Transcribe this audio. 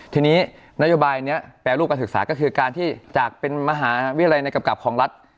ทีนี้นโยบายนี้แปรรูปการศึกษาก็คือการที่จากเป็นมหาวิทยาลัยในกำกับของรัฐ